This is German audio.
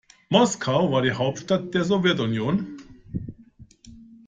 Moskau war die Hauptstadt der Sowjetunion.